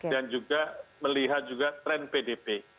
dan juga melihat juga tren pdp